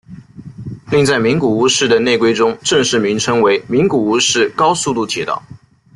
另在名古屋市的内规中正式名称为名古屋市高速度铁道。